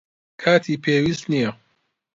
کاتی پێویست نییە.